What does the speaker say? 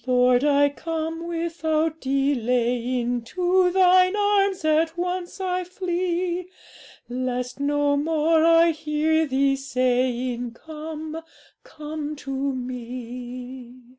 'Lord, I come without delaying, To Thine arms at once I flee, Lest no more I hear Thee saying, "Come, come to Me."'